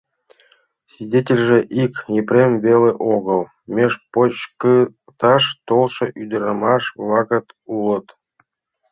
Свидетельже ик Епрем веле огыл, меж почкыкташ толшо ӱдырамаш-влакат улыт.